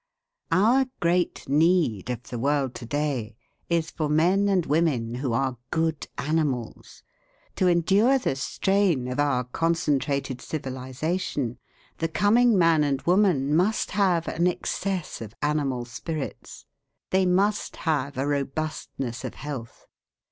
Our great need of the world to day is for men and women who are good animals. To endure the strain of our concentrated civilization, the coming man and woman must have an excess of animal spirits. They must have a robustness of health.